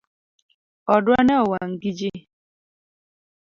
Odwa ne owang gi jii